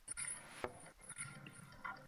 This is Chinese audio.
该组织后来演变为俄国社会民主工党。